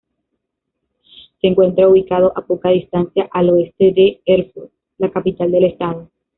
Se encuentra ubicado a poca distancia al oeste de Erfurt, la capital del estado.